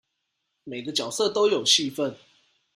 每個角色都有戲份